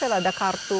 kalau ada kartu